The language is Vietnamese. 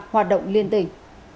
hoạt động liên tỉnh